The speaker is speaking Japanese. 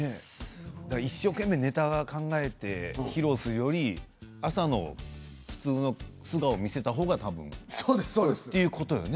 一生懸命ネタを考えて披露するより、朝の普通の素顔を見せた方が多分ということよね。